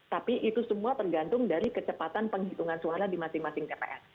tapi itu semua tergantung dari kecepatan penghitungan suara di masing masing tps